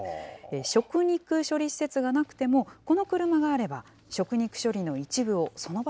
食肉処理施設がなくても、この車があれば食肉処理の一部をその場